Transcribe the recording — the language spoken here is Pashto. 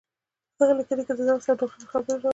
په دغې ليکنې کې د نرس او ډاکټر خبرې راوړې.